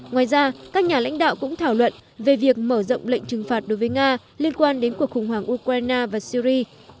ngoài ra các nhà lãnh đạo cũng thảo luận về việc mở rộng lệnh trừng phạt đối với nga liên quan đến cuộc khủng hoảng ukraine và syri